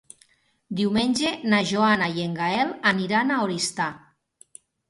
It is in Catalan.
Diumenge na Joana i en Gaël aniran a Oristà.